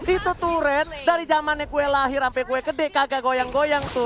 itu tuh ren dari zamannya gue lahir sampai gue gede kagak goyang goyang tuh